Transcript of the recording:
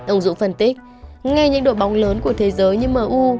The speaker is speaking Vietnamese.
ông dũng phân tích ngay những đội bóng lớn của thế giới như m u